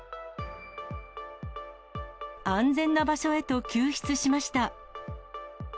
安全な場所へと救出しました。